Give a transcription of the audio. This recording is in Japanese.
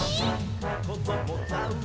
「こどもザウルス